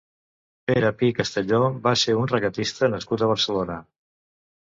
Pere Pi Castelló va ser un regatista nascut a Barcelona.